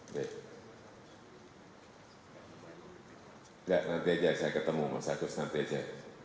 enggak nanti aja saya ketemu mas agus nanti aja